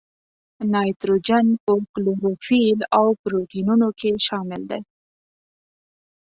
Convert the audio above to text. نایتروجن په کلوروفیل او پروټینونو کې شامل دی.